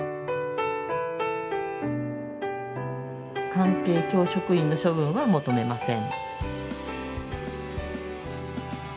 関係教職員の処分は求めません。